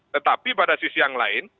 tetapi pada sisi yang lain